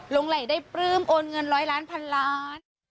ลงไหล่ได้ปลื้มโอนเงินร้อยล้านพันล้าน